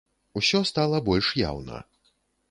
Усё стала больш яўна.